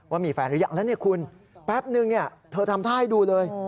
ว่ามีแฟนหรือยังแล้วเนี่ยคุณแป๊บนึงเธอทำท่าให้ดูเลย